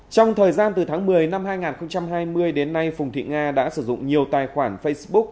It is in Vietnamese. trong thời gian từ tháng một mươi năm hai nghìn hai mươi đến nay phùng thị nga đã sử dụng nhiều tài khoản facebook